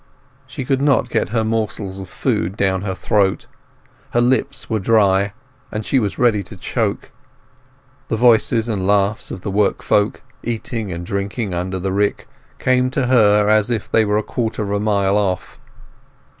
She could not get her morsels of food down her throat; her lips were dry, and she was ready to choke. The voices and laughs of the workfolk eating and drinking under the rick came to her as if they were a quarter of a mile off.